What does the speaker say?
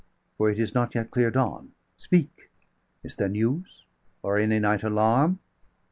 for it is not yet clear dawn. Speak! is there news, or any night alarm?"